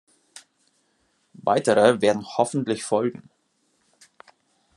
Weitere werden hoffentlich folgen!